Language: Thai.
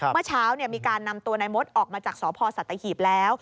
เมื่อเช้ามีการนำตัวนายมดออกมาจากสพสัตหีบแล้ว